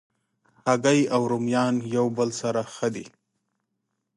هګۍ او رومیان یو بل سره ښه دي.